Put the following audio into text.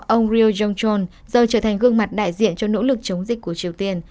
ông rio jong chon giờ trở thành gương mặt đại diện cho nỗ lực chống dịch của triều tiên